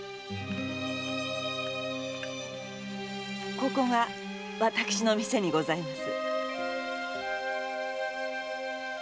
ここが私の店にございます。